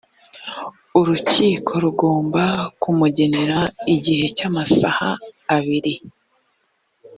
urukiko rugomba kumugenera igihe cy’amasaha abiri